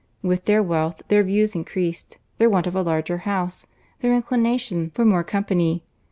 With their wealth, their views increased; their want of a larger house, their inclination for more company.